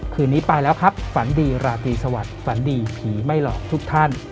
คืนนี้ไปแล้วครับฝันดีราตรีสวัสดิ์ฝันดีผีไม่หลอกทุกท่าน